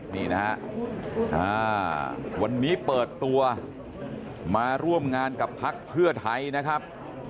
ตอนนี้เปิดตัวมาร่วมงานกับภักดิ์เพื่อไทยนะครับ